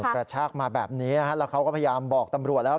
กระชากมาแบบนี้แล้วเขาก็พยายามบอกตำรวจแล้ว